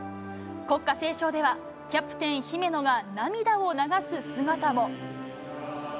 国歌斉唱では、キャプテン、姫野が涙を流す姿も。